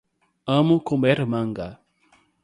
Amo comer manga.